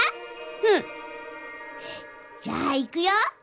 うん。じゃあいくよ！